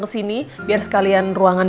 kesini biar sekalian ruangan